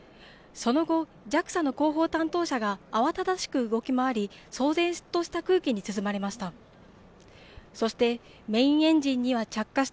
その後、ＪＡＸＡの広報担当者が慌ただしく動きもあり騒然とした空気に包まれました。